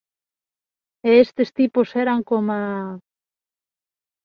E estes tipos eran coma...